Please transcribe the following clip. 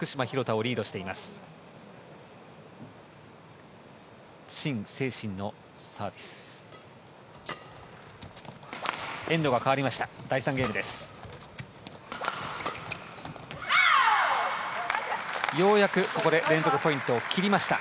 エンドが変わりました。